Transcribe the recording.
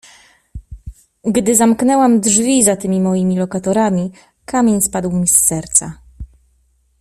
"Gdy zamknęłam drzwi za tymi moimi lokatorami, kamień spadł mi z serca."